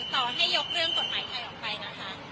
ต่อให้ยกเรื่องกฎหมายไทยออกไปนะคะ